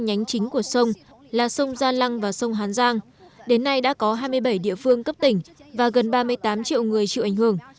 hai nhánh chính của sông là sông gia lăng và sông hán giang đến nay đã có hai mươi bảy địa phương cấp tỉnh và gần ba mươi tám triệu người chịu ảnh hưởng